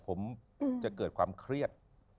ผมจะเกิดความเครียด